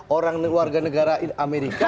orang warga negara amerika